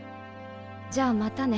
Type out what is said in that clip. じゃあまたね